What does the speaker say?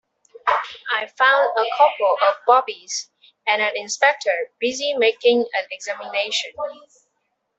I found a couple of bobbies and an inspector busy making an examination.